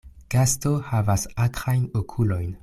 Gasto havas akrajn okulojn.